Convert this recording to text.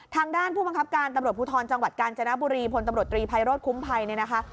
ทางด้านผู้บังคับการตำรวจภูทรจังหวัดกาญจนบุรีพลตำรวจตรีภัยโรธคุ้มภัยเนี่ยนะคะ